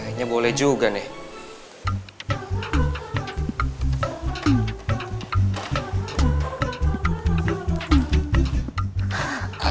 kayaknya boleh juga nih